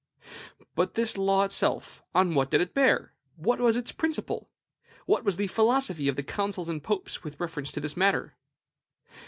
But this law itself, on what did it bear? what was its principle? what was the philosophy of the councils and popes with reference to this matter?